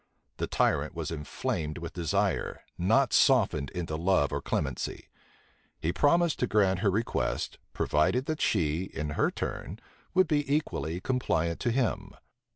The tyrant was inflamed with desire, not softened into love or clemency. He promised to grant her request, provided that she, in her turn, would be equally compliant to him.